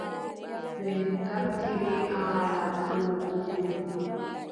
Ɓe ngartiri haala dow moodibbo.